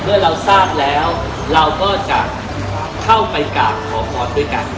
เมื่อเราทราบแล้วเราก็จะเข้าไปกราบขอพรด้วยกัน